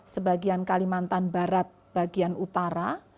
sebagian kalimantan barat bagian utara